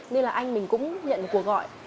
nên là anh mình cũng nhận được cuộc gọi